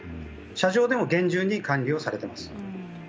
射場でも厳重に管理されています。